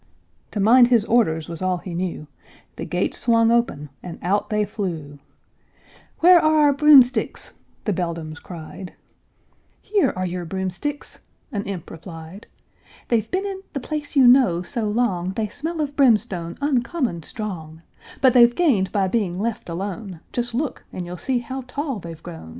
To mind his orders was all he knew; The gates swung open, and out they flew "Where are our broomsticks?" the beldams cried. [Illustration: "You're a good old fellow come, let us go"] "Here are your broomsticks," an imp replied. "They've been in the place you know so long They smell of brimstone uncommon strong; But they've gained by being left alone, Just look, and you'll see how tall they've grown."